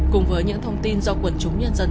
cùng với những thông tin do quần chúng nhân dân